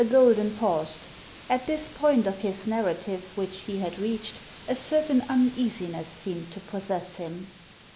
Golden paused. At this point of his narrative, which he had reached, a certain uneasiness seemed to possess him.